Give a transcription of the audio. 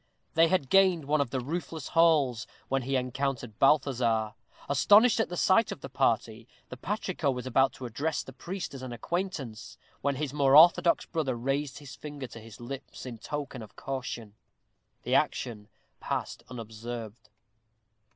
They had gained one of the roofless halls, when he encountered Balthazar. Astonished at the sight of the party, the patrico was about to address the priest as an acquaintance, when his more orthodox brother raised his finger to his lips, in token of caution. The action passed unobserved.